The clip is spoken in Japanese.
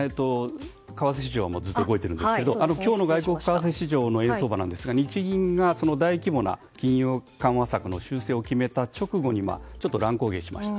為替市場はずっと動いているんですが今日の外国為替市場の円相場なんですが日銀が大規模な金融緩和策の修正を決めた直後に乱高下しました。